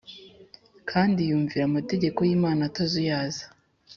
kandi yumvira amategeko y’imana atazuyaza.